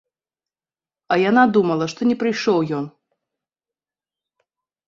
А яна думала, што не прыйшоў ён.